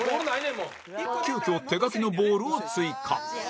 急きょ手書きのボールを追加